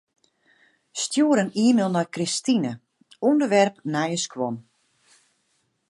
Stjoer in e-mail nei Kristine, ûnderwerp nije skuon.